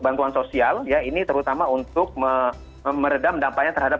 bantuan sosial ya ini terutama untuk meredam dampaknya terhadap